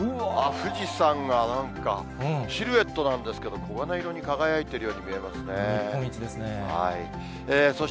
富士山がなんか、シルエットなんですけど、黄金色に輝いているように見えますね。